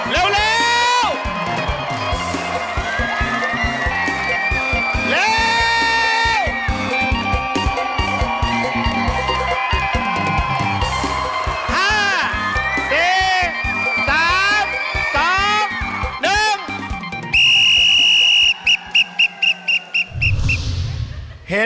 เร็วเร็ว